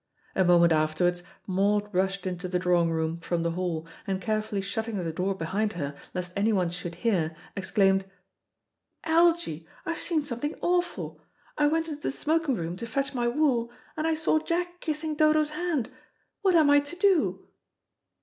A moment afterwards Maud rushed into the drawing room from the hall, and carefully shutting the door behind her, lest anyone should hear, exclaimed: "Algy, I've seen something awful! I went into the smoking room to fetch my wool, and I saw Jack kissing Dodo's hand. What am I to do?"